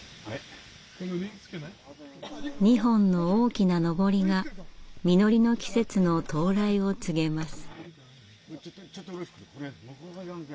２本の大きなのぼりが実りの季節の到来を告げます。